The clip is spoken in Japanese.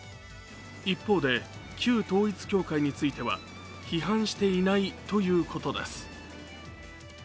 一方で、旧統一教会については批判していないということです。